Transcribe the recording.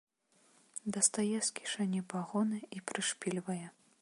Дастае з кішэні пагоны і прышпільвае.